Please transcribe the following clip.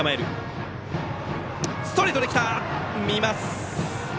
ストレートで来たが見ました。